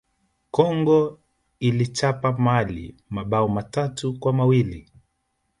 congo iliichapa Mali mabao matatu kwa mawili